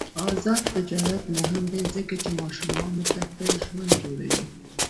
آزاد تجارت مهم دی ځکه چې ماشومانو ته ښه ژوند جوړوي.